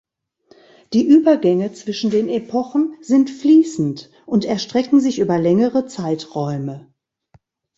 Die Übergänge zwischen den Epochen sind fließend und erstrecken sich über längere Zeiträume.